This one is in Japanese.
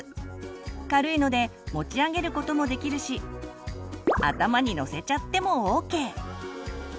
軽いので持ち上げることもできるし頭にのせちゃってもＯＫ！